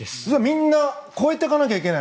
みんな超えていかなきゃいけない。